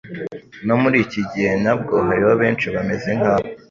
No muri iki gihe nabwo hariho benshi bameze nk'abo.